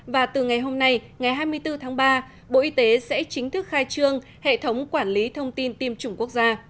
và từ ngày hôm nay ngày hai mươi bốn tháng ba bộ y tế sẽ chính thức khai trương hệ thống quản lý thông tin tiêm chủng quốc gia